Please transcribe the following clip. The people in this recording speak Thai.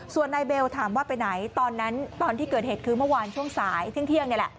ส่วนนายเบลถามว่าไปไหนตอนนั้นตอนที่เกิดเหตุคือเมื่อวานช่วงสายเที่ยงนี่แหละ